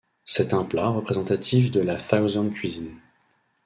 C'est un plat représentatif de la Southern cuisine.